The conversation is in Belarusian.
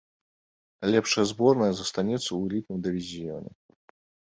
Лепшая зборная застанецца ў элітным дывізіёне.